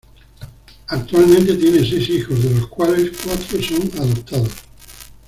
Actualmente tiene seis hijos, de los cuales, cuatro son adoptados.